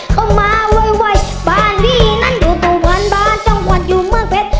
เข้ามาไหวไหวบ้านพี่นั้นอยู่ตัววันบ้านจ้องหวัดอยู่เมืองเผ็ด